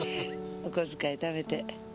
お小遣いためて。